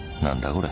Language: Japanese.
これ